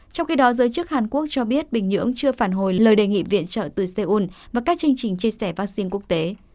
trong khi đó giới chức hàn quốc cho biết bình nhưỡng chưa phản hồi lời đề nghị viện trợ từ seoul và các chương trình chia sẻ vaccine quốc tế